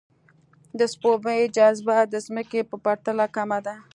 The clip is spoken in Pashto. د سپوږمۍ جاذبه د ځمکې په پرتله کمه ده